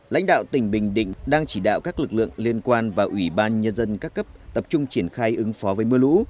lãnh đạo tỉnh bình định đang chỉ đạo các lực lượng liên quan và ủy ban nhân dân các cấp tập trung triển khai ứng phó với mưa lũ